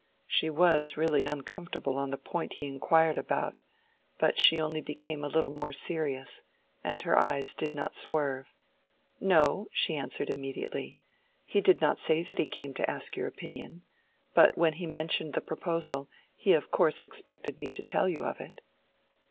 She was really uncomfortable on the point he inquired about, but she only became a little more serious, and her eyes did not swerve. "No," she answered immediately, "he did not say that he came to ask your opinion. But when he mentioned the proposal, he of course expected me to tell you of it."